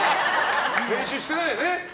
練習してないよね。